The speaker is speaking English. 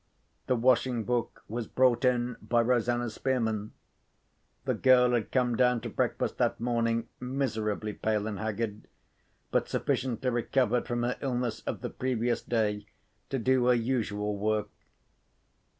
The washing book was brought in by Rosanna Spearman. The girl had come down to breakfast that morning miserably pale and haggard, but sufficiently recovered from her illness of the previous day to do her usual work.